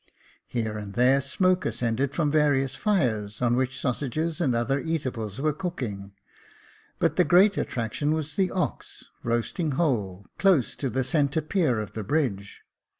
Here and there smoke ascended from various fires, on which sausages and other eatables were cooking •, but the great attraction was the ox roasting whole, close to the centre pier of the bridge.